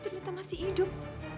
ternyata masih hidup